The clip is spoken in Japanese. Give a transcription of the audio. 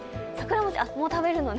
もう食べるのね？